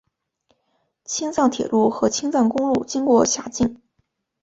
青藏铁路和青藏公路经过辖境。